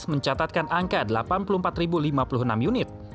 mencatatkan angka delapan puluh empat lima puluh enam unit